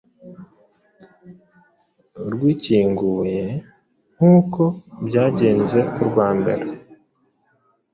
rwikinguye nk’uko byagenze ku rwa mbere,